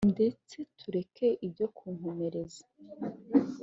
Ndetse tureke ibyo nkukomereze